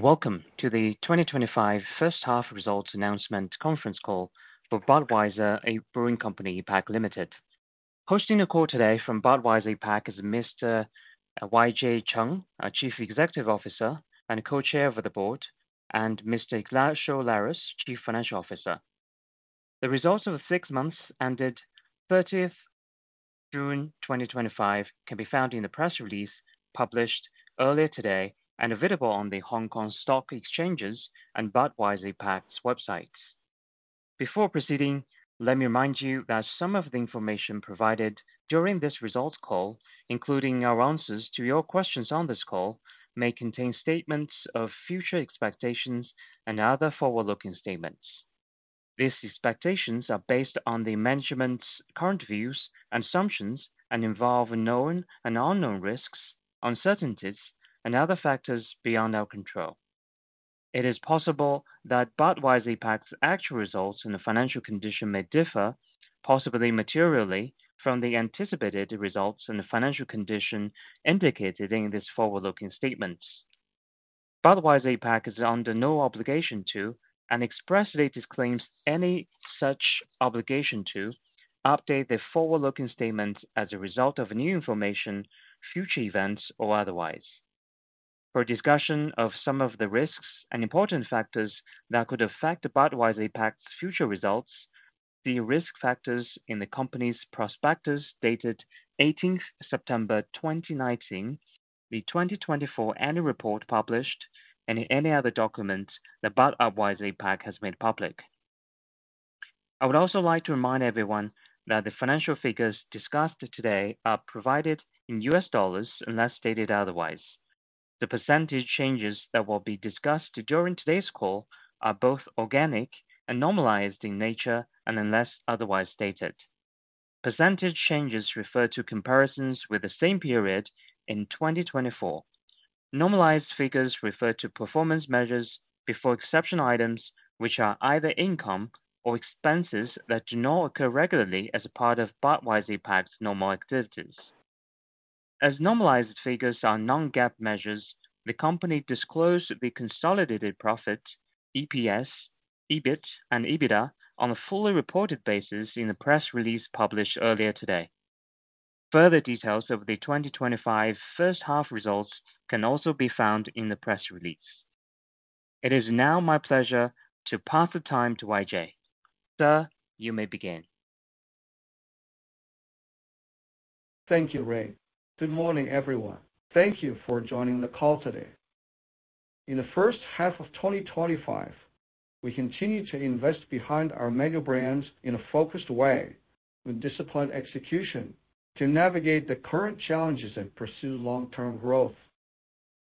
Welcome to the 2025 First Half Results Announcement Conference Call for Budweiser Brewing Company APAC Limited. Hosting the call today from Budweiser APAC is Mr. YJ Cheng, our Chief Executive Officer and Co-Chair of the Board, and Mr. Ignacio Lares, Chief Financial Officer. The results of the six months ended June 30, 2025, can be found in the press release published earlier today and available on the Hong Kong Stock Exchange and Budweiser APAC's websites. Before proceeding, let me remind you that some of the information provided during this results call, including our answers to your questions on this call, may contain statements of future expectations and other forward-looking statements. These expectations are based on management's current views and assumptions and involve known and unknown risks, uncertainties, and other factors beyond our control. It is possible that Budweiser APAC's actual results and financial condition may differ, possibly materially, from the anticipated results and financial condition indicated in these forward-looking statements. Budweiser APAC is under no obligation to, and expressly disclaims any such obligation to, update their forward-looking statements as a result of new information, future events, or otherwise. For discussion of some of the risks and important factors that could affect Budweiser APAC's future results, refer to the risk factors in the company's prospectus dated 18th September 2019, the 2024 Annual Report published, and any other document that Budweiser APAC has made public. I would also like to remind everyone that the financial figures discussed today are provided in US dollars unless stated otherwise. The percentage changes that will be discussed during today's call are both organic and normalized in nature unless otherwise stated. percentage changes refer to comparisons with the same period in 2024. Normalized figures refer to performance measures before exception items, which are either income or expenses that do not occur regularly as a part of Budweiser APAC's normal activities. As normalized figures are non-GAAP measures, the company disclosed the consolidated profit, EPS, EBIT, and EBITDA on a fully reported basis in the press release published earlier today. Further details of the 2025 First Half Results can also be found in the press release. It is now my pleasure to pass the time to YJ. Sir, you may begin. Thank you, Ray. Good morning, everyone. Thank you for joining the call today. In the first half of 2025, we continue to invest behind our mega-brands in a focused way with disciplined execution to navigate the current challenges and pursue long-term growth.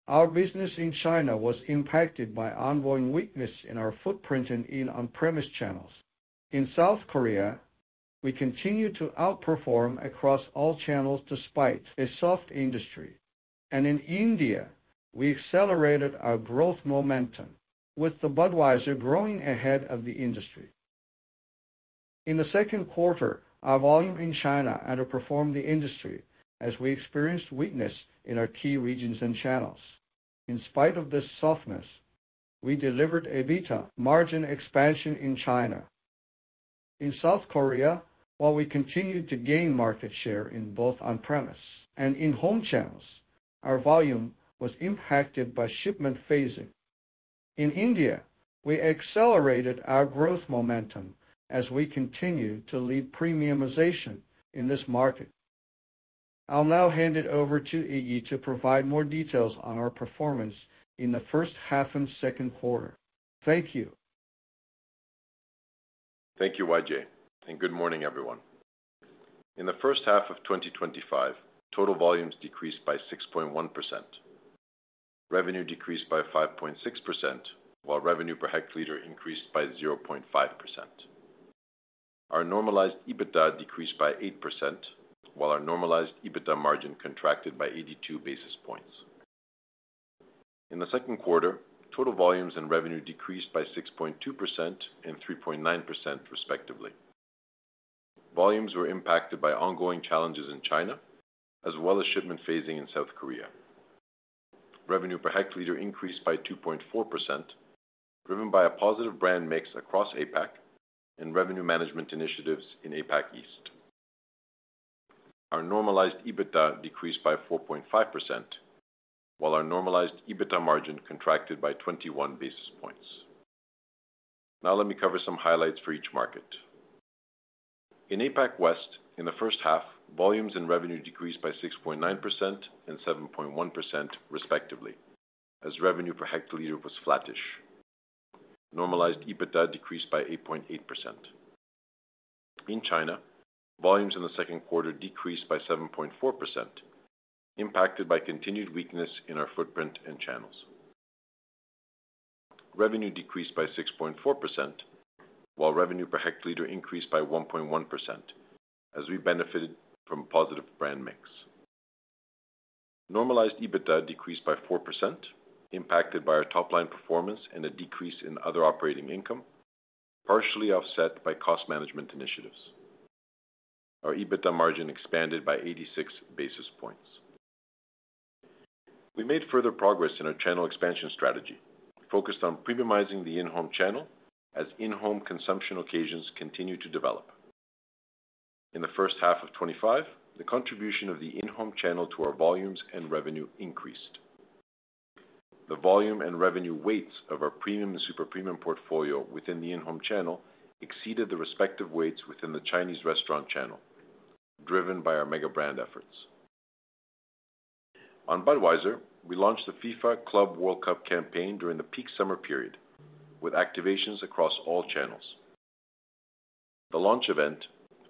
Our business in China was impacted by ongoing weakness in our footprint and in on-premise channels. In South Korea, we continue to outperform across all channels despite a soft industry. In India, we accelerated our growth momentum, with Budweiser growing ahead of the industry. In the second quarter, our volume in China underperformed the industry as we experienced weakness in our key regions and channels. In spite of this softness, we delivered EBITDA margin expansion in China. In South Korea, while we continued to gain market share in both on-premise and in-home channels, our volume was impacted by shipment phasing. In India, we accelerated our growth momentum as we continue to lead premiumization in this market. I'll now hand it over to Iggy to provide more details on our performance in the first half and second quarter. Thank you. Thank you, YJ and good morning, everyone. In the first half of 2025, total volumes decreased by 6.1%. Revenue decreased by 5.6%, while revenue per hectoliter increased by 0.5%. Our normalized EBITDA decreased by 8%, while our normalized EBITDA margin contracted by 82 basis points. In the second quarter, total volumes and revenue decreased by 6.2% and 3.9%, respectively. Volumes were impacted by ongoing challenges in China, as well as shipment phasing in South Korea. Revenue per hectoliter increased by 2.4%, driven by a positive brand mix across APAC and revenue management initiatives in APAC East. Our normalized EBITDA decreased by 4.5%, while our normalized EBITDA margin contracted by 21 basis points. Now let me cover some highlights for each market. In APAC West, in the first half, volumes and revenue decreased by 6.9% and 7.1%, respectively, as revenue per hectoliter was flattish. Normalized EBITDA decreased by 8.8%. In China, volumes in the second quarter decreased by 7.4%, impacted by continued weakness in our footprint and channels. Revenue decreased by 6.4%, while revenue per hectoliter increased by 1.1%, as we benefited from positive brand mix. Normalized EBITDA decreased by 4%, impacted by our top-line performance and a decrease in other operating income, partially offset by cost management initiatives. Our EBITDA margin expanded by 86 basis points. We made further progress in our channel expansion strategy, focused on premiumizing the in-home channel as in-home consumption occasions continue to develop. In the first half of 2025, the contribution of the in-home channel to our volumes and revenue increased. The volume and revenue weights of our premium and super premium portfolio within the in-home channel exceeded the respective weights within the Chinese restaurant channel, driven by our mega-brand efforts. On Budweiser, we launched the FIFA Club World Cup campaign during the peak summer period, with activations across all channels. The launch event,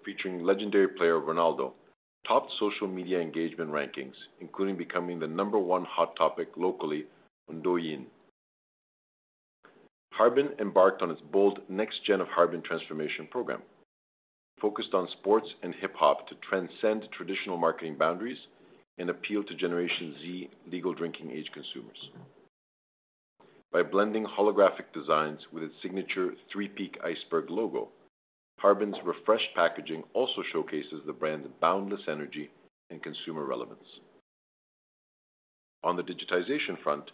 featuring legendary player Ronaldo, topped social media engagement rankings, including becoming the number one hot topic locally on Douyin. Harbin embarked on its bold Next Gen of Harbin transformation program, focused on sports and hip-hop to transcend traditional marketing boundaries and appeal to Generation Z legal drinking age consumers. By blending holographic designs with its signature three-peak iceberg logo, Harbin's refreshed packaging also showcases the brand's boundless energy and consumer relevance. On the digitization front,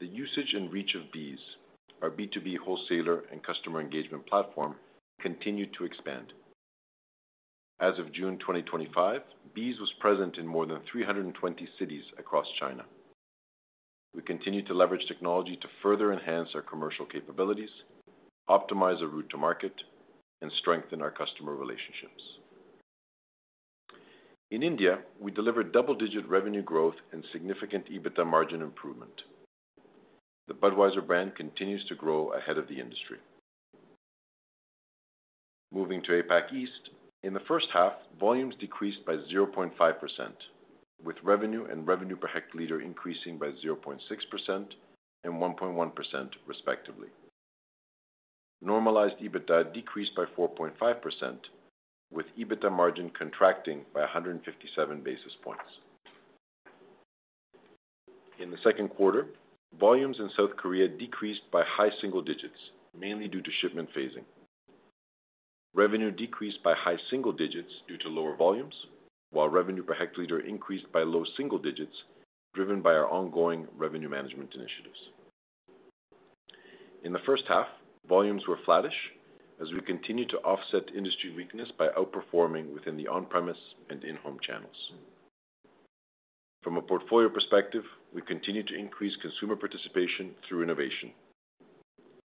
the usage and reach of BEES, our B2B wholesaler and customer engagement platform, continued to expand. As of June 2025, BEES was present in more than 320 cities across China. We continue to leverage technology to further enhance our commercial capabilities, optimize our route-to-market, and strengthen our customer relationships. In India, we delivered double-digit revenue growth and significant EBITDA margin improvement. The Budweiser brand continues to grow ahead of the industry. Moving to APAC East, in the first half, volumes decreased by 0.5%, with revenue and revenue per hectoliter increasing by 0.6% and 1.1%, respectively. Normalized EBITDA decreased by 4.5%, with EBITDA margin contracting by 157 basis points. In the second quarter, volumes in South Korea decreased by high single digits, mainly due to shipment phasing. Revenue decreased by high single digits due to lower volumes, while revenue per hectoliter increased by low single digits, driven by our ongoing revenue management initiatives. In the first half, volumes were flattish as we continued to offset industry weakness by outperforming within the on-premise and in-home channels. From a portfolio perspective, we continue to increase consumer participation through innovation.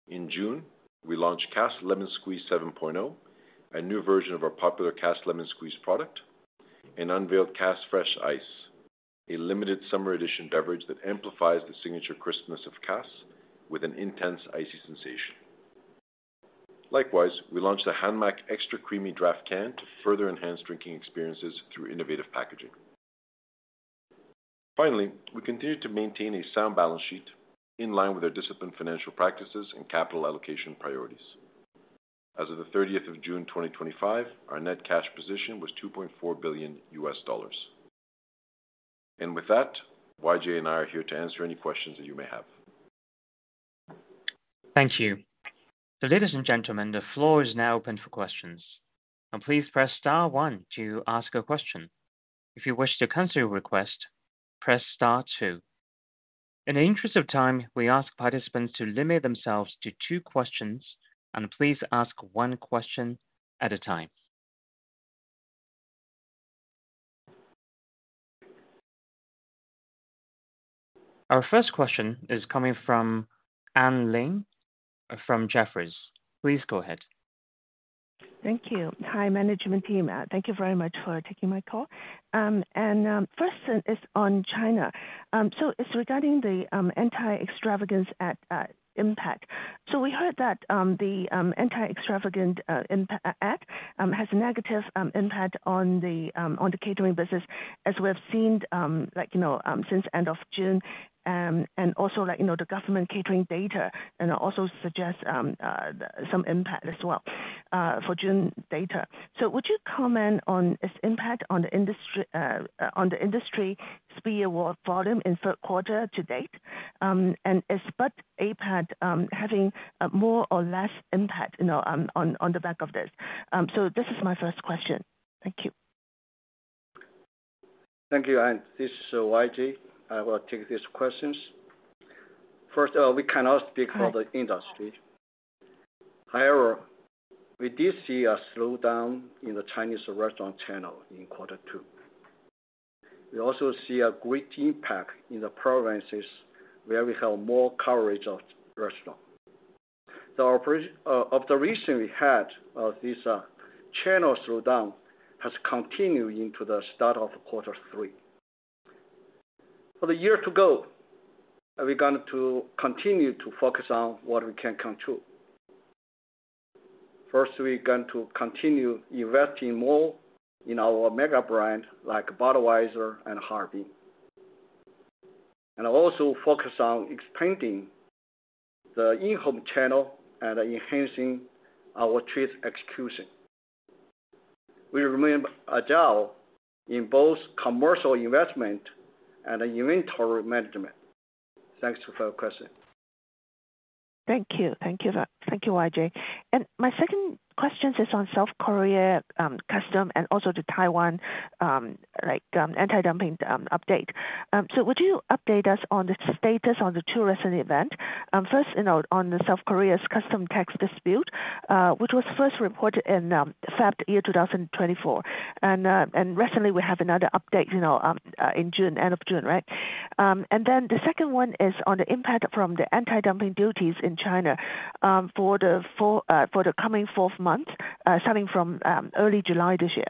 In June, we launched Cass Lemon Squeeze 7.0, a new version of our popular Cass Lemon Squeeze product, and unveiled Cass Fresh ICE, a limited summer edition beverage that amplifies the signature crispness of Cass with an intense icy sensation. Likewise, we launched a HANMAC Extra Creamy Draft Can to further enhance drinking experiences through innovative packaging. Finally, we continue to maintain a sound balance sheet in line with our disciplined financial practices and capital allocation priorities. As of the 30th of June 2025, our net cash position was $2.4 billion. YJ and I are here to answer any questions that you may have. Thank you. Ladies and gentlemen, the floor is now open for questions. Please press star one to ask a question. If you wish to cancel your request, press star two. In the interest of time, we ask participants to limit themselves to two questions, and please ask one question at a time. Our first question is coming from Anne Ling from Jefferies. Please go ahead. Thank you. Hi, management team. Thank you very much for taking my call. My first question is on China. It is regarding the anti-extravagance act impact. We heard that the anti-extravagance act has a negative impact on the catering business, as we have seen since the end of June. The government catering data also suggests some impact as well for June data. Could you comment on its impact on the industry spree of volume in the third quarter to date? Is Budweiser APAC having more or less impact on the back of this? Thank you. Thank you, Ann. This is YJ. I will take these questions. First, we cannot speak for the industry. However, we did see a slowdown in the Chinese restaurant channel in quarter two. We also see a great impact in the provinces where we have more coverage of restaurants. The observation we had of this channel slowdown has continued into the start of quarter three. For the year to go, we're going to continue to focus on what we can control. First, we're going to continue investing more in our mega-brands like Budweiser and Harbin. We also focus on expanding the in-home channel and enhancing our route execution. We remain agile in both commercial investment and inventory management. Thanks for your question. Thank you. Thank you, YJ and my second question is on South Korea customs and also the Taiwan anti-dumping update. Would you update us on the status of the two recent events? First, on South Korea's customs tax dispute, which was first reported in fiscal year 2024. Recently, we have another update at the end of June, right? The second one is on the impact from the anti-dumping duties in China for the coming fourth month, starting from early July this year.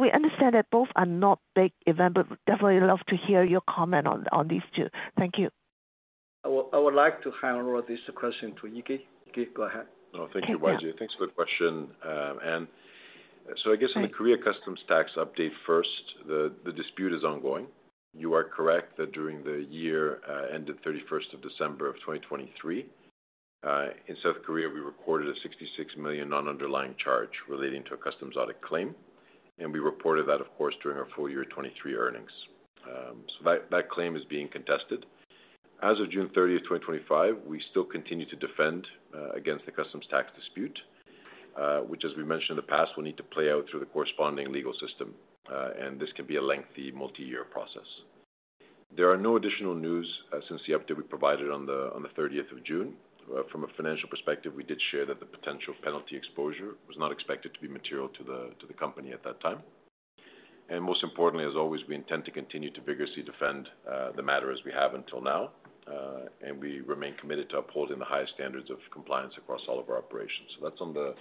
We understand that both are not big events, but definitely would love to hear your comment on these two. Thank you. I would like to hand over this question to Iggy. Go ahead. Thank you, YJ. Thanks for the question, Anne. I guess in the Korea customs tax update first, the dispute is ongoing. You are correct that during the year ended 31st of December 2023, in South Korea, we recorded a $66 million non-underlying charge relating to a customs audit claim. We reported that, of course, during our full year 2023 earnings. That claim is being contested. As of June 30, 2025, we still continue to defend against the customs tax dispute, which, as we mentioned in the past, will need to play out through the corresponding legal system. This can be a lengthy multi-year process. There are no additional news since the update we provided on 30th of June. From a financial perspective, we did share that the potential penalty exposure was not expected to be material to the company at that time. Most importantly, as always, we intend to continue to vigorously defend the matter as we have until now. We remain committed to upholding the highest standards of compliance across all of our operations. That's on the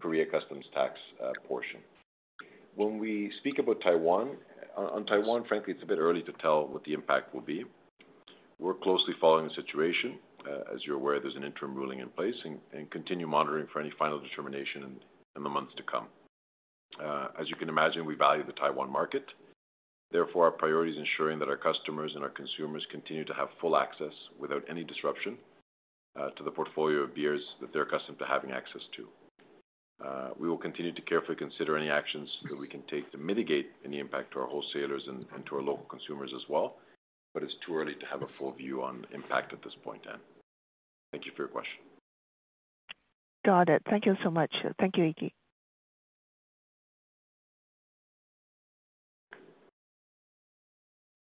Korea customs tax portion. When we speak about Taiwan, frankly, it's a bit early to tell what the impact will be. We're closely following the situation. As you're aware, there's an interim ruling in place and we continue monitoring for any final determination in the months to come. As you can imagine, we value the Taiwan market. Therefore, our priority is ensuring that our customers and our consumers continue to have full access without any disruption to the portfolio of beers that they're accustomed to having access to. We will continue to carefully consider any actions that we can take to mitigate any impact to our wholesalers and to our local consumers as well. It's too early to have a full view on impact at this point, Anne. Thank you for your question. Got it. Thank you so much. Thank you, Iggy.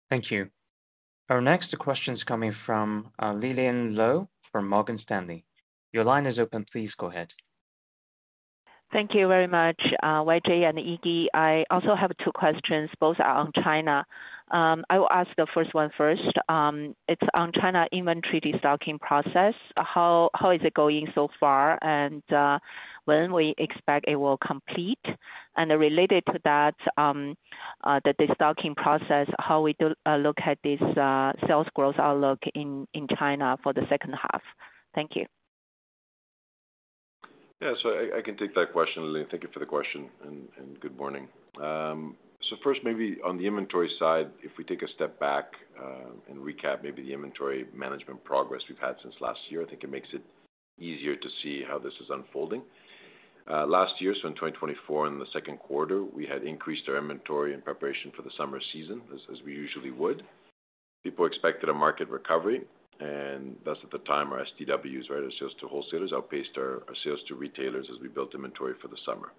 Thank you. Our next question is coming from Lillian Lou from Morgan Stanley. Your line is open. Please go ahead. Thank you very much, YJ and Iggy I also have two questions. Both are on China. I will ask the first one first. It's on China inventory destocking process. How is it going so far? When we expect it will complete? Related to that, the destocking process, how we look at this sales growth outlook in China for the second half? Thank you. Yeah, I can take that question, Lillian. Thank you for the question, and good morning. First, maybe on the inventory side, if we take a step back and recap the inventory management progress we've had since last year, I think it makes it easier to see how this is unfolding. Last year, in 2024, in the second quarter, we had increased our inventory in preparation for the summer season, as we usually would. People expected a market recovery, and thus, at the time, our SDWs, right, our sales to wholesalers, outpaced our sales to retailers as we built inventory for the summer.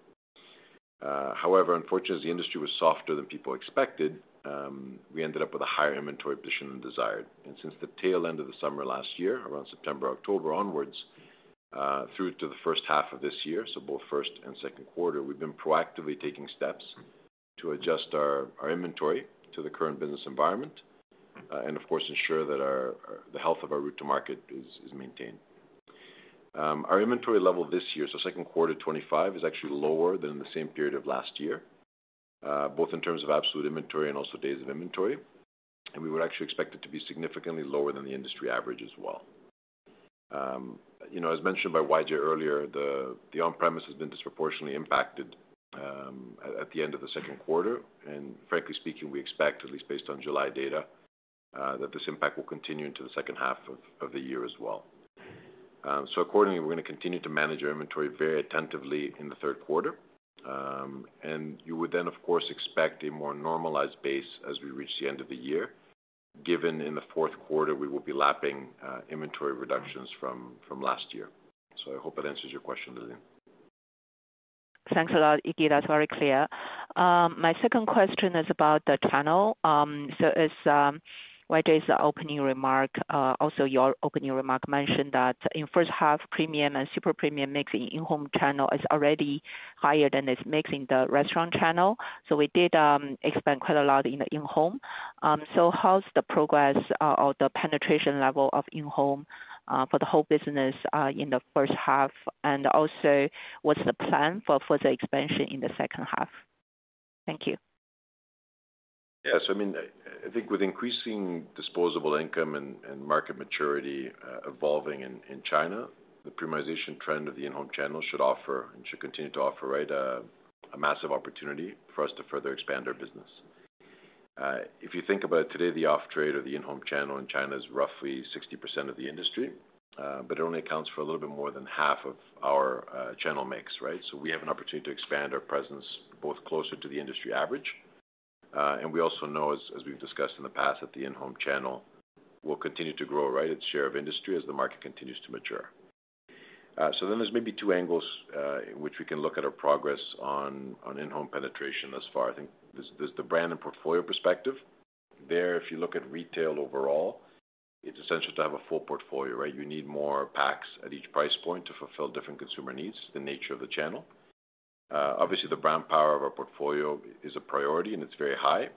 However, unfortunately, as the industry was softer than people expected, we ended up with a higher inventory position than desired. Since the tail end of the summer last year, around September, October onwards through to the first half of this year, both first and second quarter, we've been proactively taking steps to adjust our inventory to the current business environment and, of course, ensure that the health of our route-to-market is maintained. Our inventory level this year, second quarter 2025, is actually lower than in the same period of last year, both in terms of absolute inventory and also days of inventory. We would actually expect it to be significantly lower than the industry average as well. As mentioned by YJ earlier, the on-premise channel has been disproportionately impacted at the end of the second quarter. Frankly speaking, we expect, at least based on July data, that this impact will continue into the second half of the year as well. Accordingly, we're going to continue to manage our inventory very attentively in the third quarter. You would then, of course, expect a more normalized base as we reach the end of the year, given in the fourth quarter we will be lapping inventory reductions from last year. I hope that answers your question, Lillian. Thanks a lot, Iggy That's very clear. My second question is about the channel. As YJ's opening remark, also your opening remark mentioned that in the first half, premium and super premium mix in the in-home channel is already higher than its mix in the restaurant channel. We did expand quite a lot in the in-home. How's the progress or the penetration level of in-home for the whole business in the first half? Also, what's the plan for further expansion in the second half? Thank you. Yeah, so I mean, I think with increasing disposable income and market maturity evolving in China, the premiumization trend of the in-home channel should offer and should continue to offer, right, a massive opportunity for us to further expand our business. If you think about it today, the off-trade or the in-home channel in China is roughly 60% of the industry, but it only accounts for a little bit more than half of our channel mix, right? We have an opportunity to expand our presence both closer to the industry average. We also know, as we've discussed in the past, that the in-home channel will continue to grow, right, its share of industry as the market continues to mature. There are maybe two angles in which we can look at our progress on in-home penetration thus far. I think there's the brand and portfolio perspective. There, if you look at retail overall, it's essential to have a full portfolio, right? You need more packs at each price point to fulfill different consumer needs, the nature of the channel. Obviously, the brand power of our portfolio is a priority, and it's very high,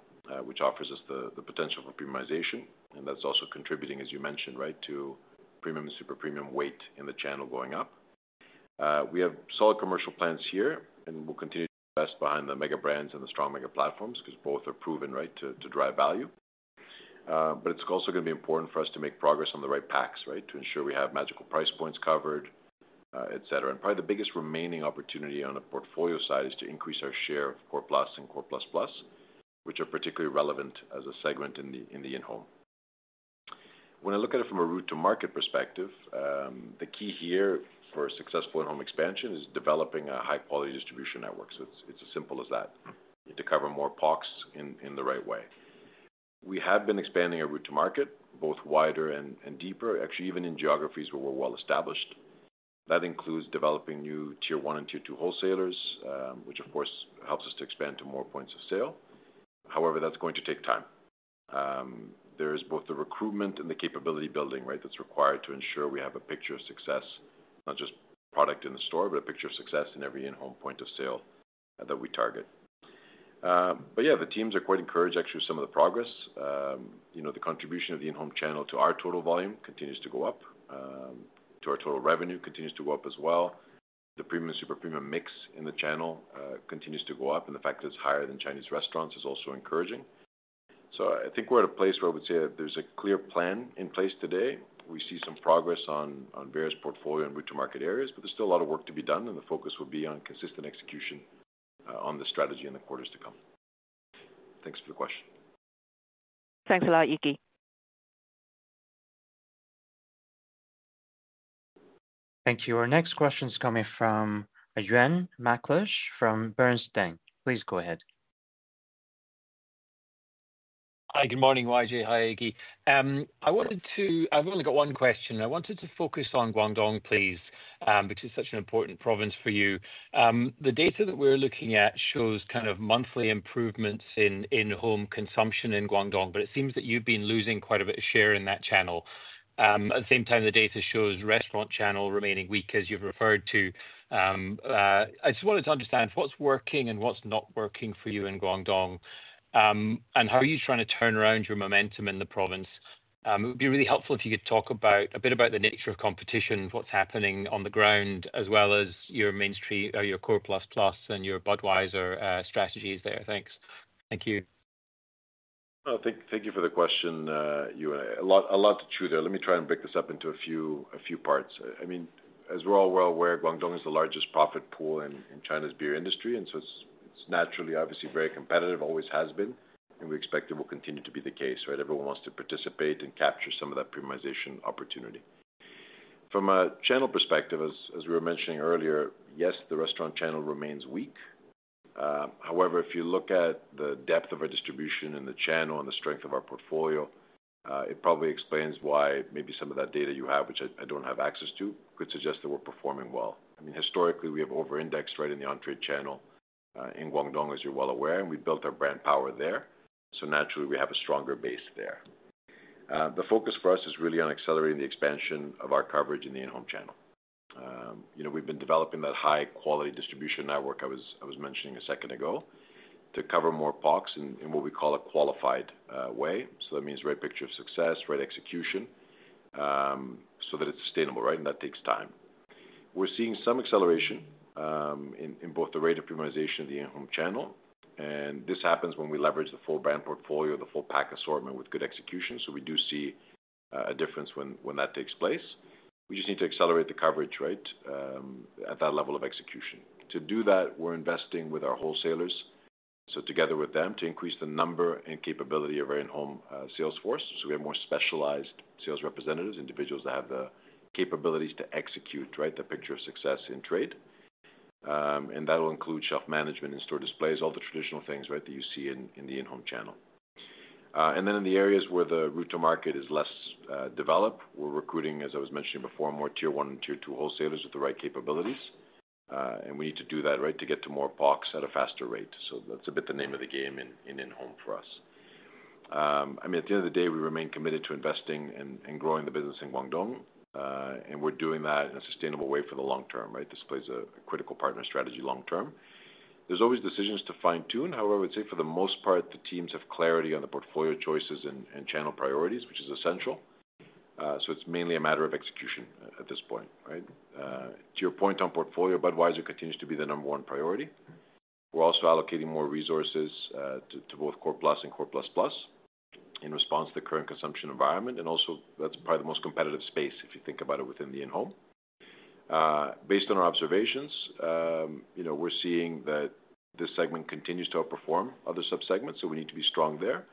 which offers us the potential for premiumization. That's also contributing, as you mentioned, right, to premium and super premium weight in the channel going up. We have solid commercial plans here, and we'll continue to invest behind the mega-brands and the strong mega-platforms because both are proven, right, to drive value. It's also going to be important for us to make progress on the right packs, right, to ensure we have magical price points covered, etc. Probably the biggest remaining opportunity on a portfolio side is to increase our share of CorePlus and CorePlus+, which are particularly relevant as a segment in the in-home. When I look at it from a route-to-market perspective, the key here for a successful in-home expansion is developing a high-quality distribution network. It's as simple as that. You need to cover more POCs in the right way. We have been expanding our route to market, both wider and deeper, actually even in geographies where we're well established. That includes developing new tier one and tier two wholesalers, which of course helps us to expand to more points of sale. However, that's going to take time. There is both the recruitment and the capability building, right, that's required to ensure we have a picture of success, not just product in the store, but a picture of success in every in-home point of sale that we target. The teams are quite encouraged, actually, with some of the progress. The contribution of the in-home channel to our total volume continues to go up. To our total revenue continues to go up as well. The premium and super premium mix in the channel continues to go up. The fact that it's higher than Chinese restaurants is also encouraging. I think we're at a place where I would say there's a clear plan in place today. We see some progress on various portfolio and route-to-market areas, but there's still a lot of work to be done. The focus will be on consistent execution on the strategy in the quarters to come. Thanks for the question. Thanks a lot, YJ. Thank you. Our next question is coming from Euan McLeish from Bernstein. Please go ahead. Hi, good morning, YJ. Hi, Iggy I've only got one question. I wanted to focus on Guangdong, please, which is such an important province for you. The data that we're looking at shows kind of monthly improvements in in-home consumption in Guangdong, but it seems that you've been losing quite a bit of share in that channel. At the same time, the data shows restaurant channel remaining weak, as you've referred to. I just wanted to understand what's working and what's not working for you in Guangdong. How are you trying to turn around your momentum in the province? It would be really helpful if you could talk a bit about the nature of competition, what's happening on the ground, as well as your main street, your CorePlus+, and your Budweiser strategies there. Thanks. Thank you. Thank you for the question, Euan. A lot to chew there. Let me try and break this up into a few parts. As we're all well aware, Guangdong is the largest profit pool in China's beer industry. It is naturally, obviously, very competitive, always has been. We expect it will continue to be the case, right? Everyone wants to participate and capture some of that premiumization opportunity. From a channel perspective, as we were mentioning earlier, yes, the restaurant channel remains weak. However, if you look at the depth of our distribution in the channel and the strength of our portfolio, it probably explains why maybe some of that data you have, which I don't have access to, could suggest that we're performing well. Historically, we have over-indexed, right, in the on-premise channel in Guangdong, as you're well aware. We built our brand power there. Naturally, we have a stronger base there. The focus for us is really on accelerating the expansion of our coverage in the in-home channel. We've been developing that high-quality distribution network I was mentioning a second ago to cover more POCs in what we call a qualified way. That means right picture of success, right execution, so that it's sustainable, right? That takes time. We're seeing some acceleration in both the rate of premiumization of the in-home channel. This happens when we leverage the full brand portfolio, the full pack assortment with good execution. We do see a difference when that takes place. We just need to accelerate the coverage, right, at that level of execution. To do that, we're investing with our wholesalers, together with them to increase the number and capability of our in-home sales force. We have more specialized sales representatives, individuals that have the capabilities to execute, right, the picture of success in trade. That will include shelf management and store displays, all the traditional things, right, that you see in the in-home channel. In the areas where the route-to-market is less developed, we're recruiting, as I was mentioning before, more tier one and tier two wholesalers with the right capabilities. We need to do that, right, to get to more POCs at a faster rate. That's a bit the name of the game in in-home for us. At the end of the day, we remain committed to investing and growing the business in Guangdong. We're doing that in a sustainable way for the long term, right? This plays a critical partner strategy long term. There's always decisions to fine-tune. However, I would say for the most part, the teams have clarity on the portfolio choices and channel priorities, which is essential. It's mainly a matter of execution at this point, right? To your point on portfolio, Budweiser continues to be the number one priority. We're also allocating more resources to both CorePlus and CorePlus+ in response to the current consumption environment. That's probably the most competitive space, if you think about it, within the in-home. Based on our observations, we're seeing that this segment continues to outperform other subsegments. We need to be strong there.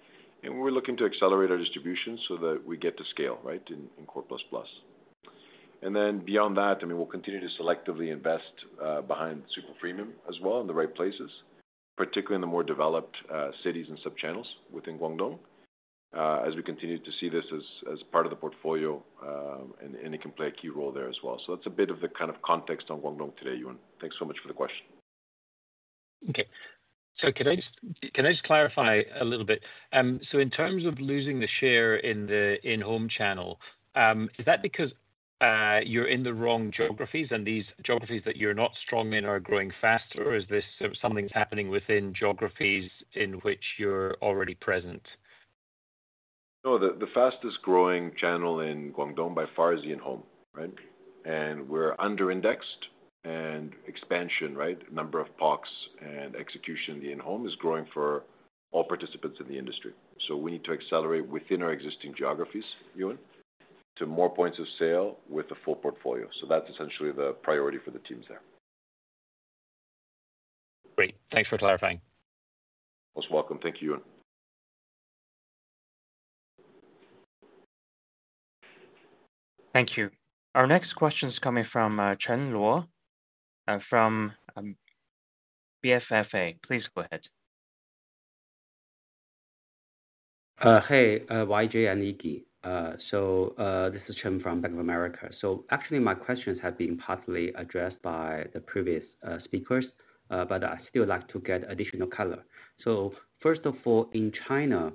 We're looking to accelerate our distribution so that we get to scale, right, in CorePlus+. Beyond that, I mean, we'll continue to selectively invest behind super premium as well in the right places, particularly in the more developed cities and sub-channels within Guangdong, as we continue to see this as part of the portfolio. It can play a key role there as well. That's a bit of the kind of context on Guangdong today, Euan. Thanks so much for the question. Okay. Can I just clarify a little bit? In terms of losing the share in the in-home channel, is that because you're in the wrong geographies and these geographies that you're not strong in are growing faster, or is this something that's happening within geographies in which you're already present? No, the fastest growing channel in Guangdong by far is the in-home, right? We're under-indexed. Expansion, right, number of POCs and execution in the in-home is growing for all participants in the industry. We need to accelerate within our existing geographies, Yuan, to more points of sale with a full portfolio. That's essentially the priority for the teams there. Great. Thanks for clarifying. Most welcome. Thank you. Thank you. Our next question is coming from Chen Luo from BofA. Please go ahead. Hey, YJ. and Iggy. This is Chen from Bank of America. My questions have been partly addressed by the previous speakers, but I still like to get additional color. First of all, in China,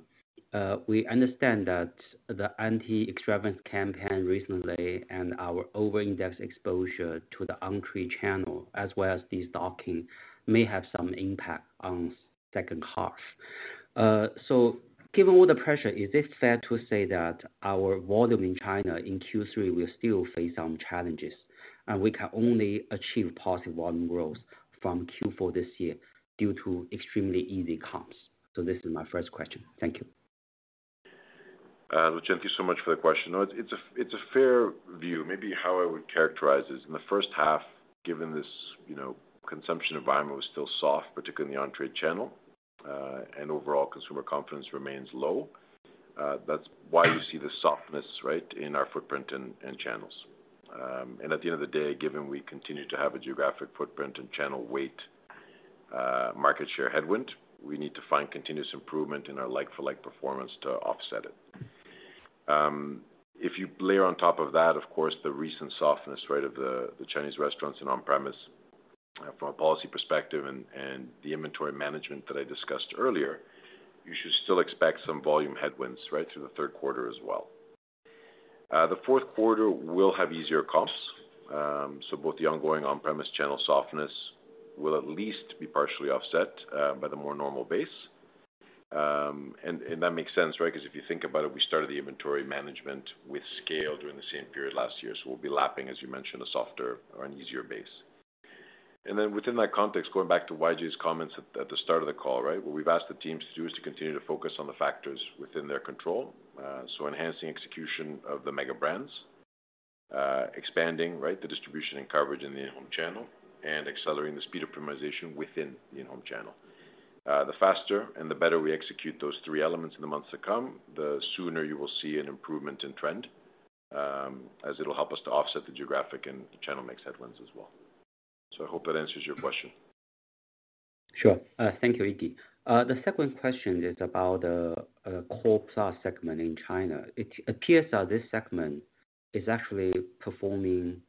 we understand that the anti-extravagance campaign recently and our over-index exposure to the on-premise channel, as well as destocking, may have some impact on the second half. Given all the pressure, is it fair to say that our volume in China in Q3 will still face some challenges? We can only achieve positive volume growth from Q4 this year due to extremely easy comps. This is my first question. Thank you. Thank you so much for the question. No, it's a fair view. Maybe how I would characterize it is in the first half, given this, consumption environment was still soft, particularly in the on-premise channel, and overall consumer confidence remains low. That's why you see the softness, right, in our footprint and channels. At the end of the day, given we continue to have a geographic footprint and channel weight market share headwind, we need to find continuous improvement in our like-for-like performance to offset it. If you layer on top of that, of course, the recent softness, right, of the Chinese restaurants and on-premise. From a policy perspective and the inventory management that I discussed earlier, you should still expect some volume headwinds, right, through the third quarter as well. The fourth quarter will have easier comps. Both the ongoing on-premise channel softness will at least be partially offset by the more normal base. That makes sense, right? Because if you think about it, we started the inventory management with scale during the same period last year. We'll be lapping, as you mentioned, a softer or an easier base. Within that context, going back to YJ's comments at the start of the call, what we've asked the teams to do is to continue to focus on the factors within their control. Enhancing execution of the mega-brands, expanding, right, the distribution and coverage in the in-home channel, and accelerating the speed of premiumization within the in-home channel. The faster and the better we execute those three elements in the months to come, the sooner you will see an improvement in trend, as it'll help us to offset the geographic and channel mix headwinds as well. I hope that answers your question. Sure. Thank you, Iggy. The second question is about the CorePlus segment in China. It appears that this segment is actually performing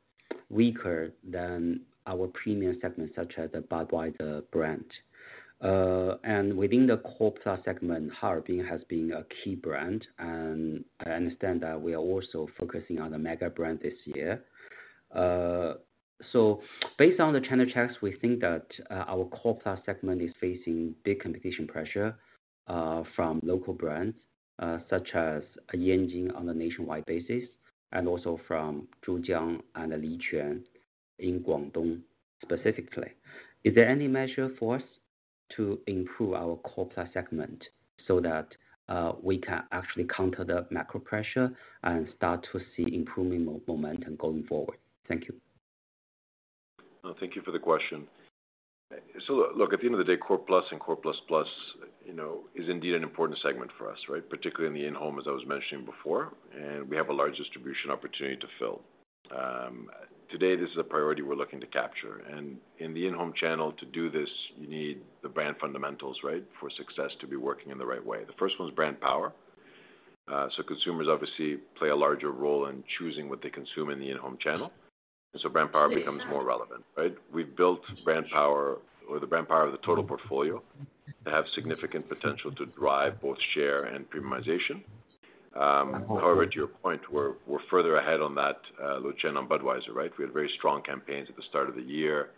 weaker than our premium segment, such as the Budweiser brand. Within the CorePlus segment, Harbin has been a key brand. I understand that we are also focusing on the mega-brand this year. Based on the channel checks, we think that our CorePlus segment is facing big competition pressure from local brands such as Yanjing on a nationwide basis and also from Zhujiang and Lichuan in Guangdong specifically. Is there any measure for us to improve our CorePlus segment so that we can actually counter the macro pressure and start to see improvement momentum going forward? Thank you. Thank you for the question. Look, at the end of the day, CorePlus and CorePlus+ is indeed an important segment for us, right, particularly in the in-home, as I was mentioning before. We have a large distribution opportunity to fill. Today, this is a priority we're looking to capture. In the in-home channel, to do this, you need the brand fundamentals, right, for success to be working in the right way. The first one is brand power. Consumers obviously play a larger role in choosing what they consume in the in-home channel, so brand power becomes more relevant, right? We've built brand power, or the brand power of the total portfolio, to have significant potential to drive both share and premiumization. However, to your point, we're further ahead on that, Lu Chen, on Budweiser, right? We had very strong campaigns at the start of the year,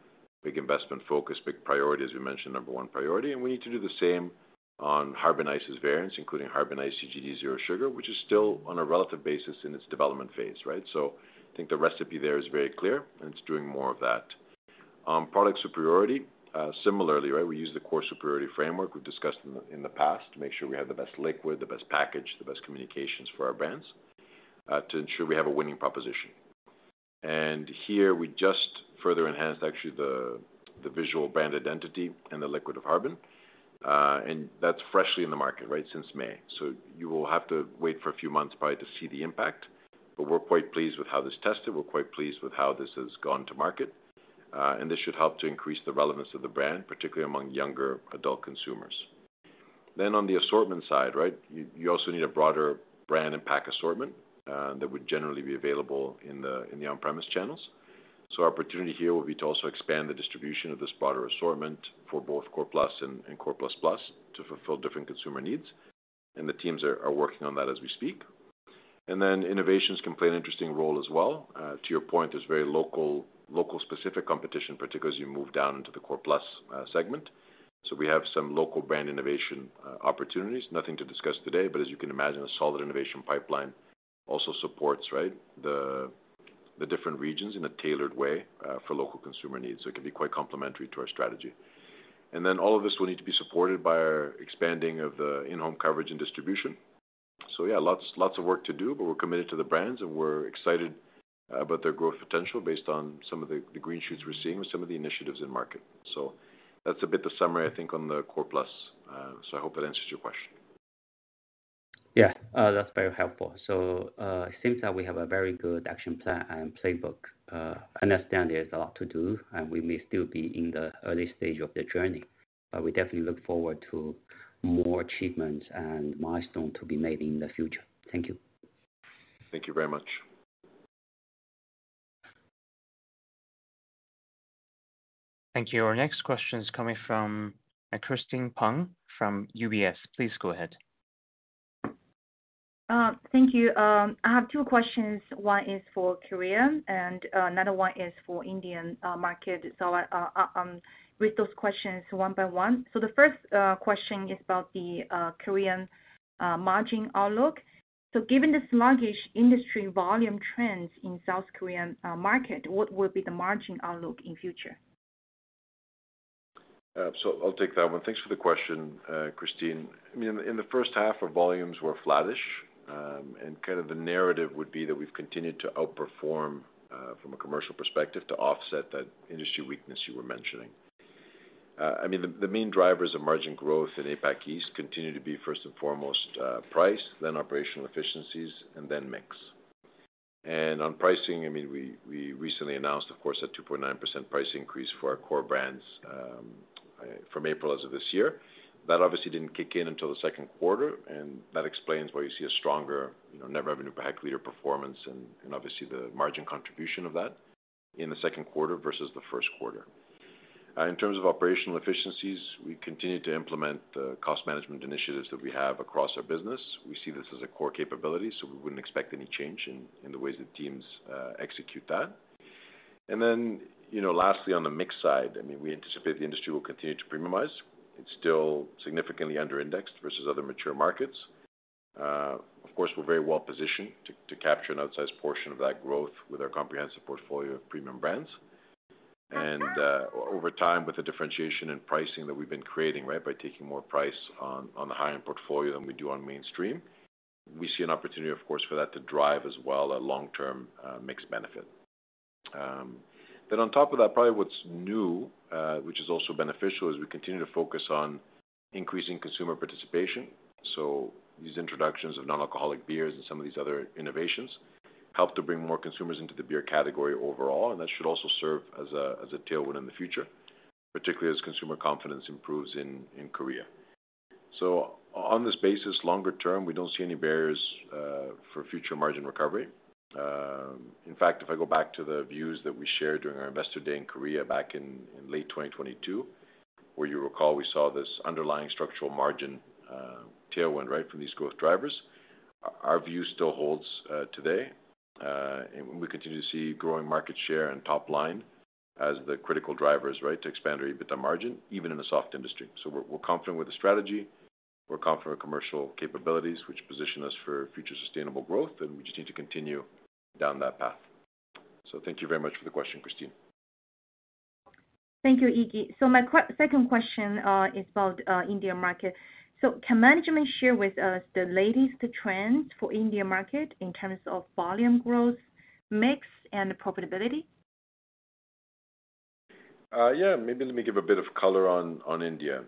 big investment focus, big priority, as we mentioned, number one priority. We need to do the same on Harbin Ice's variants, including Harbin ICGD zero sugar, which is still on a relative basis in its development phase, right? I think the recipe there is very clear, and it's doing more of that. Product superiority, similarly, right? We use the core superiority framework we've discussed in the past to make sure we have the best liquid, the best package, the best communications for our brands to ensure we have a winning proposition. Here, we just further enhanced actually the visual brand identity and the liquid of Harbin, and that's freshly in the market, right, since May. You will have to wait for a few months probably to see the impact, but we're quite pleased with how this tested. We're quite pleased with how this has gone to market, and this should help to increase the relevance of the brand, particularly among younger adult consumers. On the assortment side, right, you also need a broader brand and pack assortment that would generally be available in the on-premise channels. Our opportunity here would be to also expand the distribution of this broader assortment for both CorePlus and CorePlus+ to fulfill different consumer needs, and the teams are working on that as we speak. Innovations can play an interesting role as well. To your point, there's very local-specific competition, particularly as you move down into the CorePlus segment. We have some local brand innovation opportunities. Nothing to discuss today, but as you can imagine, a solid innovation pipeline also supports the different regions in a tailored way for local consumer needs. It can be quite complementary to our strategy. All of this will need to be supported by our expanding of the in-home coverage and distribution. Yeah, lots of work to do, but we're committed to the brands, and we're excited about their growth potential based on some of the green shoots we're seeing with some of the initiatives in market. That's a bit the summary, I think, on the CorePlus. I hope that answers your question. Yeah, that's very helpful. It seems that we have a very good action plan and playbook. I understand there's a lot to do, and we may still be in the early stage of the journey. We definitely look forward to more achievements and milestones to be made in the future. Thank you. Thank you very much. Thank you. Our next question is coming from Christine Peng from UBS. Please go ahead. Thank you. I have two questions. One is for Korea, and another one is for Indian market. I'll read those questions one by one. The first question is about the Korean margin outlook. Given the sluggish industry volume trends in South Korean market, what will be the margin outlook in future? I'll take that one. Thanks for the question, Christine. In the first half, our volumes were flattish. The narrative would be that we've continued to outperform from a commercial perspective to offset that industry weakness you were mentioning. The main drivers of margin growth in APAC East continue to be, first and foremost, price, then operational efficiencies, and then mix. On pricing, we recently announced, of course, a 2.9% price increase for our core brands from April of this year. That obviously didn't kick in until the second quarter, and that explains why you see a stronger net revenue per hectoliter performance and the margin contribution of that in the second quarter versus the first quarter. In terms of operational efficiencies, we continue to implement the cost management initiatives that we have across our business. We see this as a core capability, so we wouldn't expect any change in the ways that teams execute that. Lastly, on the mix side, we anticipate the industry will continue to premiumize. It's still significantly under-indexed versus other mature markets. We're very well positioned to capture an outsized portion of that growth with our comprehensive portfolio of premium brands. Over time, with the differentiation in pricing that we've been creating by taking more price on the high-end portfolio than we do on mainstream, we see an opportunity for that to drive a long-term mix benefit. On top of that, probably what's new, which is also beneficial, is we continue to focus on increasing consumer participation. These introductions of non-alcoholic beers and some of these other innovations help to bring more consumers into the beer category overall. That should also serve as a tailwind in the future, particularly as consumer confidence improves in Korea. On this basis, longer term, we don't see any barriers for future margin recovery. In fact, if I go back to the views that we shared during our investor day in Korea back in late 2022, where you recall we saw this underlying structural margin tailwind from these growth drivers, our view still holds today. We continue to see growing market share and top line as the critical drivers to expand our EBITDA margin, even in a soft industry. We're confident with the strategy. We're confident with commercial capabilities, which position us for future sustainable growth. We just need to continue down that path. Thank you very much for the question, Christine. Thank you, Iggy. My second question is about India market. Can management share with us the latest trends for India market in terms of volume growth, mix, and profitability? Maybe let me give a bit of color on India.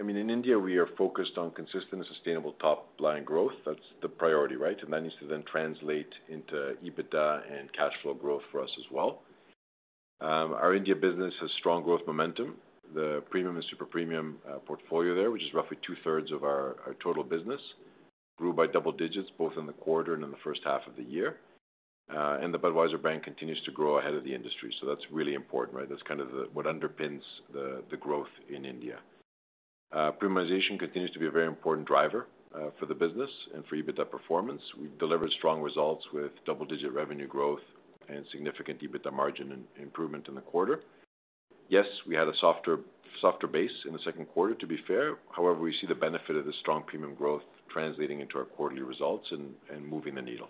In India, we are focused on consistent and sustainable top line growth. That's the priority, right? That needs to then translate into EBITDA and cash flow growth for us as well. Our India business has strong growth momentum. The premium and super premium portfolio there, which is roughly two-thirds of our total business, grew by double digits, both in the quarter and in the first half of the year. The Budweiser brand continues to grow ahead of the industry. That's really important, right? That's kind of what underpins the growth in India. Premiumization continues to be a very important driver for the business and for EBITDA performance. We delivered strong results with double-digit revenue growth and significant EBITDA margin improvement in the quarter. Yes, we had a softer base in the second quarter, to be fair. However, we see the benefit of the strong premium growth translating into our quarterly results and moving the needle.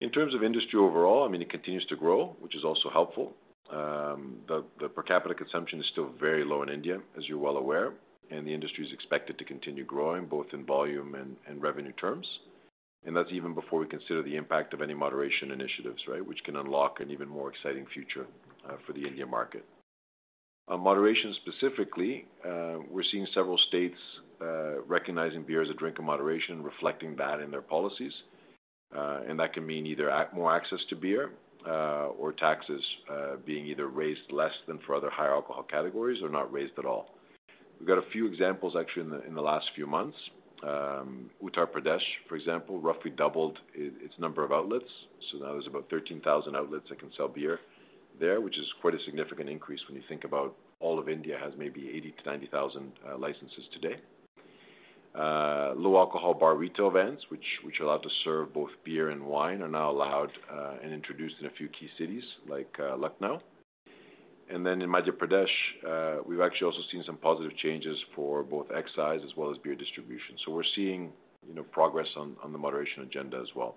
In terms of industry overall, it continues to grow, which is also helpful. The per capita consumption is still very low in India, as you're well aware. The industry is expected to continue growing both in volume and revenue terms. That's even before we consider the impact of any moderation initiatives, right, which can unlock an even more exciting future for the India market. Moderation specifically, we're seeing several states recognizing beer as a drink of moderation, reflecting that in their policies. That can mean either more access to beer or taxes being either raised less than for other higher alcohol categories or not raised at all. We've got a few examples actually in the last few months. Uttar Pradesh, for example, roughly doubled its number of outlets. Now there's about 13,000 outlets that can sell beer there, which is quite a significant increase when you think about all of India has maybe 80,000-90,000 licenses today. Low alcohol bar retail events, which are allowed to serve both beer and wine, are now allowed and introduced in a few key cities like Lucknow. In Madhya Pradesh, we've actually also seen some positive changes for both excise as well as beer distribution. We're seeing progress on the moderation agenda as well.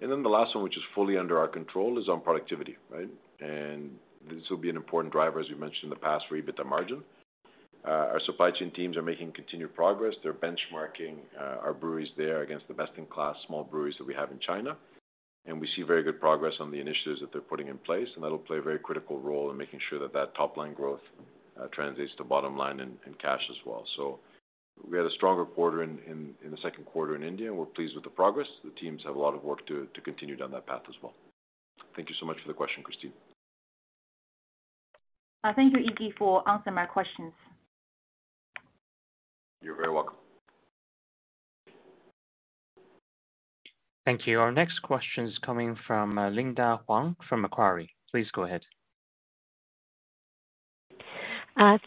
The last one, which is fully under our control, is on productivity, right? This will be an important driver, as we've mentioned in the past, for EBITDA margin. Our supply chain teams are making continued progress. They are benchmarking our breweries there against the best-in-class small breweries that we have in China, and we see very good progress on the initiatives that they are putting in place. That will play a very critical role in making sure that top line growth translates to bottom line and cash as well. We had a stronger quarter in the second quarter in India, and we're pleased with the progress. The teams have a lot of work to continue down that path as well. Thank you so much for the question, Christine. Thank you, Yanjun, for answering my questions. You're very welcome. Thank you. Our next question is coming from Linda Huang from Macquarie. Please go ahead.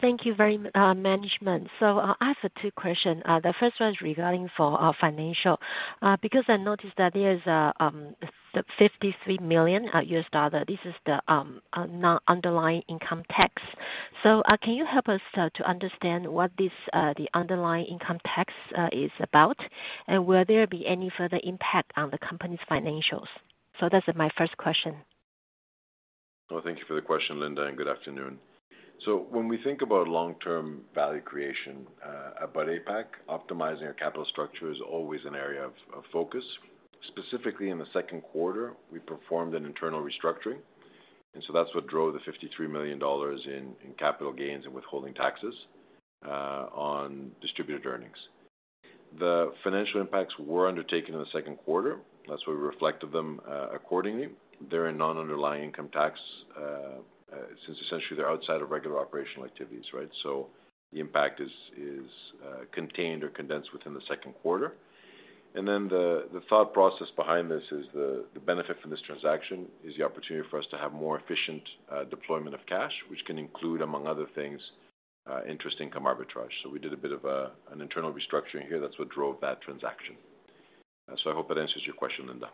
Thank you very much, management. I have two questions. The first one is regarding financial. I noticed that there is $53 million, this is the underlying income tax. Can you help us to understand what this underlying income tax is about? Will there be any further impact on the company's financials? That's my first question. Thank you for the question, Linda, and good afternoon. When we think about long-term value creation at Budweiser APAC, optimizing our capital structure is always an area of focus. Specifically, in the second quarter, we performed an internal restructuring. That's what drove the $53 million in capital gains and withholding taxes on distributed earnings. The financial impacts were undertaken in the second quarter, which is why we reflected them accordingly in non-underlying income tax, since essentially they're outside of regular operational activities, right? The impact is contained or condensed within the second quarter. The thought process behind this is the benefit from this transaction is the opportunity for us to have more efficient deployment of cash, which can include, among other things, interest income arbitrage. We did a bit of an internal restructuring here, and that's what drove that transaction. I hope that answers your question, Linda.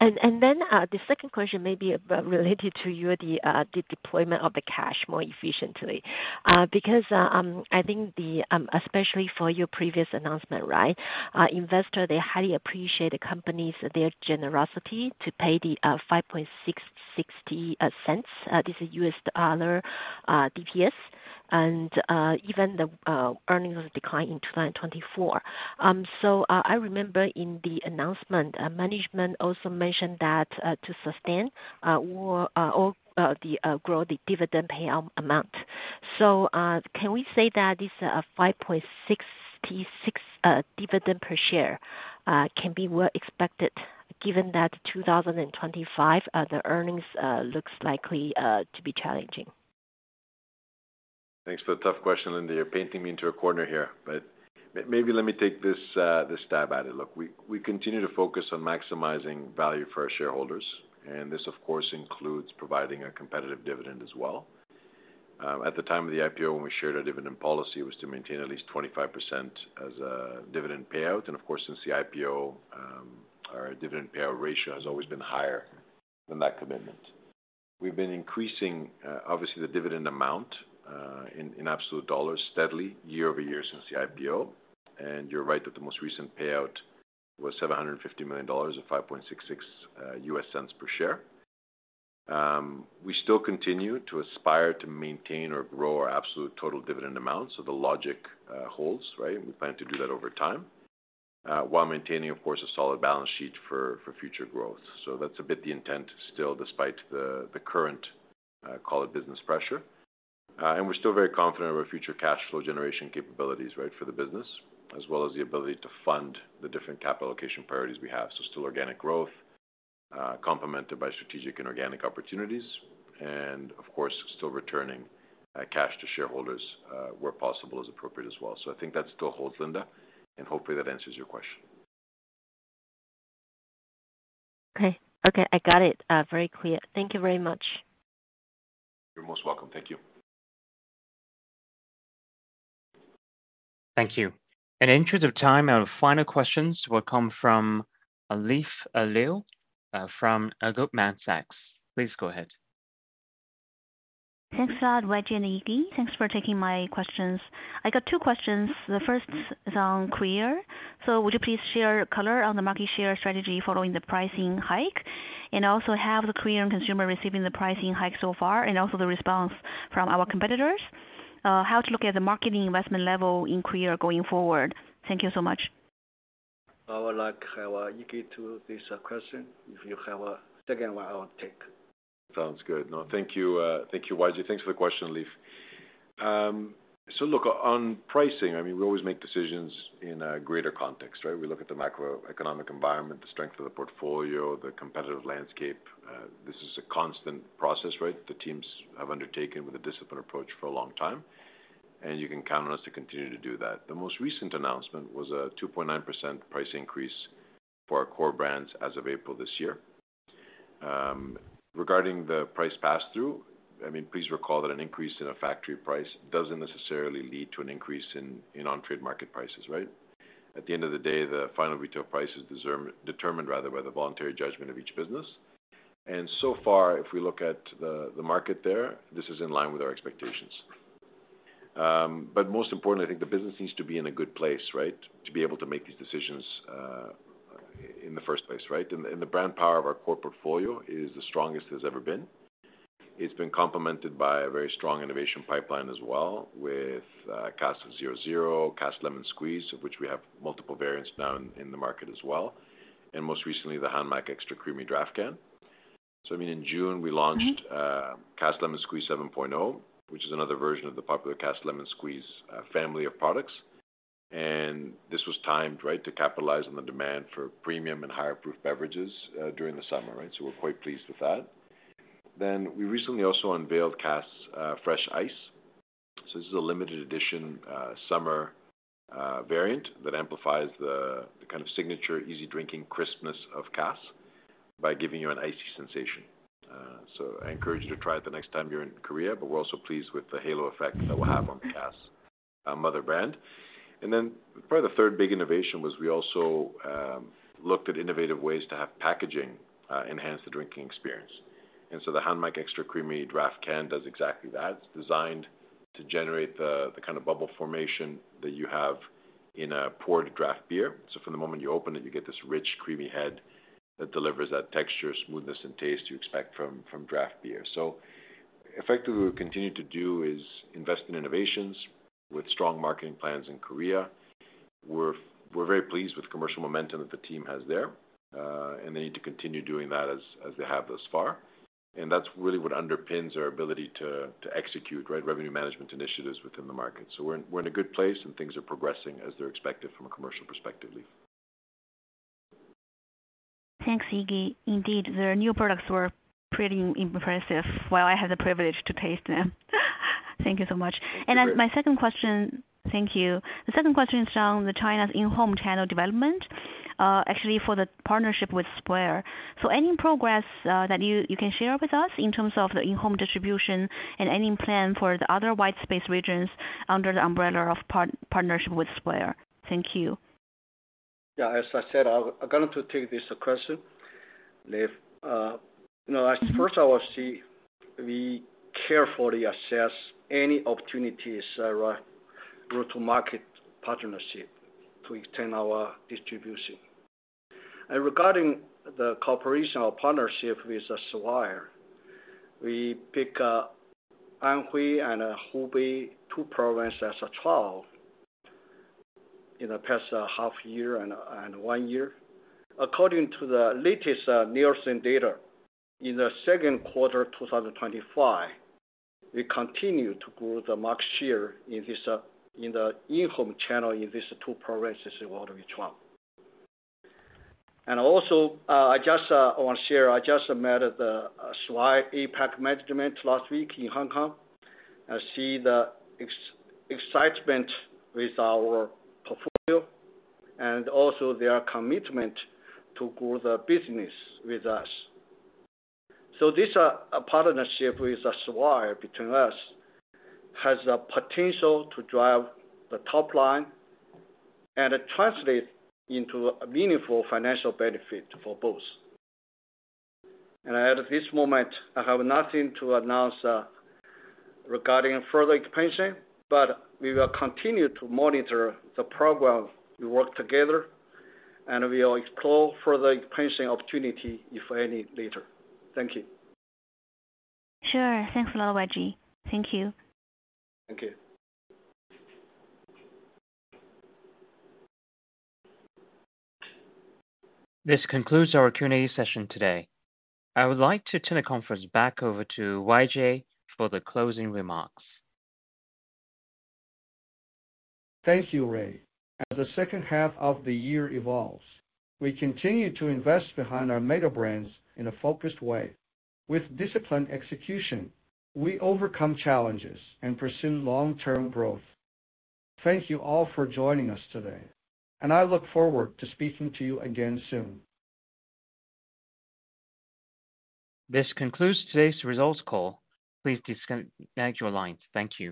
The second question may be related to your deployment of the cash more efficiently. I think, especially for your previous announcement, investors highly appreciate the company's generosity to pay the $5.660. This is U.S. dollar DPS. Even the earnings declined in 2024. I remember in the announcement, management also mentioned that to sustain or grow the dividend payout amount. Can we say that this $5.66 dividend per share can be well expected, given that 2025 earnings look likely to be challenging? Thanks for the tough question, Linda. You're painting me into a corner here. Maybe let me take this dive at it. Look, we continue to focus on maximizing value for our shareholders. This, of course, includes providing a competitive dividend as well. At the time of the IPO, when we shared our dividend policy, it was to maintain at least 25% as a dividend payout. Of course, since the IPO, our dividend payout ratio has always been higher than that commitment. We've been increasing, obviously, the dividend amount in absolute dollars steadily year over year since the IPO. You're right that the most recent payout was $750 million, or $5.66 per share. We still continue to aspire to maintain or grow our absolute total dividend amount. The logic holds, right? We plan to do that over time while maintaining, of course, a solid balance sheet for future growth. That's a bit the intent still, despite the current, call it business pressure. We're still very confident of our future cash flow generation capabilities, right, for the business, as well as the ability to fund the different capital allocation priorities we have. Still organic growth, complemented by strategic and organic opportunities. Of course, still returning cash to shareholders where possible is appropriate as well. I think that still holds, Linda, and hopefully, that answers your question. Okay. Okay. I got it very clear. Thank you very much. You're most welcome. Thank you. Thank you. In terms of time, our final questions will come from Leif Leo from Agoop Manfax. Please go ahead. Thanks, Vlad, YJ and Iggy. Thanks for taking my questions. I got two questions. The first is on Korea. Would you please share color on the market share strategy following the pricing hike? Also, how have the Korean consumers received the pricing hike so far, and what is the response from our competitors? How do you look at the marketing investment level in Korea going forward? Thank you so much. I would like to have Iggy to this question. If you have a second one, I'll take it. Sounds good. No, thank you, YJ. Thanks for the question, Leif. On pricing, we always make decisions in a greater context, right? We look at the macroeconomic environment, the strength of the portfolio, the competitive landscape. This is a constant process the teams have undertaken with a disciplined approach for a long time. You can count on us to continue to do that. The most recent announcement was a 2.9% price increase for our core brands as of April this year. Regarding the price pass-through, please recall that an increase in a factory price doesn't necessarily lead to an increase in on-premise market prices, right? At the end of the day, the final retail price is determined, rather, by the voluntary judgment of each business. So far, if we look at the market there, this is in line with our expectations. Most importantly, I think the business needs to be in a good place to be able to make these decisions in the first place, right? The brand power of our core portfolio is the strongest it has ever been. It's been complemented by a very strong innovation pipeline as well, with Cass 0.0, Cass Lemon Squeeze, of which we have multiple variants now in the market as well, and most recently, the HANMAC Extra Creamy Draft Can. In June, we launched Cass Lemon Squeeze 7.0, which is another version of the popular Cass Lemon Squeeze family of products. This was timed to capitalize on the demand for premium and higher proof beverages during the summer, right? We're quite pleased with that. We recently also unveiled Cass Fresh ICE. This is a limited edition summer variant that amplifies the kind of signature easy drinking crispness of Cass by giving you an icy sensation. I encourage you to try it the next time you're in South Korea. We're also pleased with the halo effect that will have on the Cass mother brand. Probably the third big innovation was we also looked at innovative ways to have packaging enhance the drinking experience. The HANMAC Extra Creamy Draft Can does exactly that. It's designed to generate the kind of bubble formation that you have in a poured draft beer. From the moment you open it, you get this rich, creamy head that delivers that texture, smoothness, and taste you expect from draft beer. Effectively, what we continue to do is invest in innovations with strong marketing plans in South Korea. We're very pleased with the commercial momentum that the team has there. They need to continue doing that as they have thus far. That's really what underpins our ability to execute revenue management initiatives within the market. We're in a good place, and things are progressing as they're expected from a commercial perspective, Leif. Thanks, Iggy. Indeed, the new products were pretty impressive while I had the privilege to taste them. Thank you so much. My second question, thank you. The second question is on China's in-home channel development. Actually, for the partnership with Square, is there any progress that you can share with us in terms of the in-home distribution and any plan for the other white space regions under the umbrella of partnership with Square? Thank you. Yeah, as I said, I'm going to take this question. Leif, first, I will say we carefully assess any opportunities. Route-to-market partnership to extend our distribution. Regarding the cooperation or partnership with Square, we picked Anhui and Hubei, two provinces, as a trial in the past half year and one year. According to the latest Nielsen data, in the second quarter of 2025, we continue to grow the market share in the in-home channel in these two provinces in order to be strong. I just want to share, I just met the Square APAC management last week in Hong Kong. I see the excitement with our portfolio and also their commitment to grow the business with us. This partnership with Square between us has the potential to drive the top line and translate into a meaningful financial benefit for both. At this moment, I have nothing to announce regarding further expansion, but we will continue to monitor the program we work together. We will explore further expansion opportunities, if any, later. Thank you. Sure. Thanks, a lot YJ. Thank you. Thank you. This concludes our Q&A session today. I would like to turn the conference back over to Yanjun Cheng for the closing remarks. Thank you, Ray. As the second half of the year evolves, we continue to invest behind our mega-brands in a focused way. With disciplined execution, we overcome challenges and pursue long-term growth. Thank you all for joining us today. I look forward to speaking to you again soon. This concludes today's results call. Please disconnect your line. Thank you.